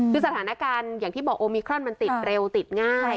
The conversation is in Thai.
คือสถานการณ์อย่างที่บอกโอมิครอนมันติดเร็วติดง่าย